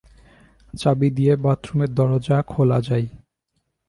চাবি দিয়ে বাথরুমের দরজা খোলা যায়।